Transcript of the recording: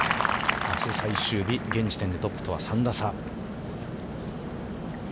あす最終日、現時点でトップとは３打差。